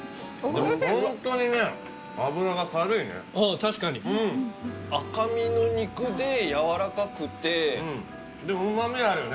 確かに赤身の肉でやわらかくてでも旨味はあるよね